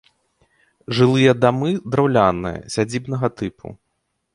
Жылыя дамы драўляныя, сядзібнага тыпу.